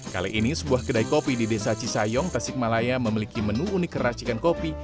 kali ini sebuah kedai kopi di desa cisayong tasik malaya memiliki menu unik keracikan kopi